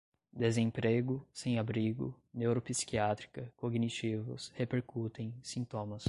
desemprego, sem-abrigo, neuropsiquiátrica, cognitivos, repercutem, sintomas